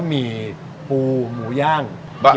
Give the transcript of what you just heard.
บะหมี่ปูหมูย่างเกียวกุ้ง